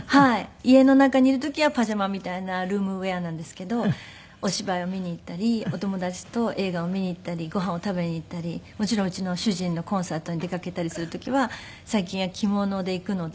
家の中にいる時はパジャマみたいなルームウェアなんですけどお芝居を見に行ったりお友達と映画を見に行ったりご飯を食べに行ったりもちろんうちの主人のコンサートに出かけたりする時は最近は着物で行くので。